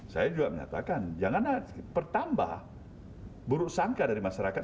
saya juga menyatakan janganlah pertambah buruk sangka dari masyarakat